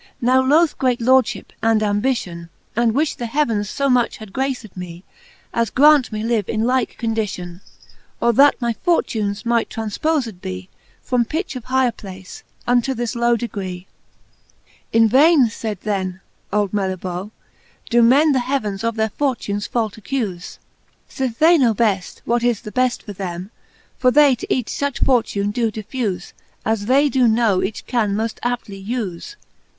Now loath great Lordfhip and ambition ; And wifh th' heavens fo much had graced mce, As graunt me live in like condition ; Or that my fortunes might tranfpofed bee From pitch of higher place, unto this low degree. XXIX. In vain, faid then old Melibos^ doe men . The heavens of their fortunes fault accufe, Sith they know beft, what is the beft for them : For they to each fuch fortune doe diffufe. As they doe know each can moft aptly ufe.